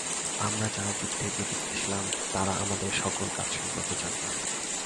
আমরা যারা যুদ্ধের বিপক্ষে ছিলাম, তারা আমাদের আসল কাজ সম্পর্কে জানতাম।